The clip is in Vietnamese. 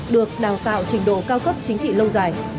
được đào tạo trình độ cao cấp chính trị lâu dài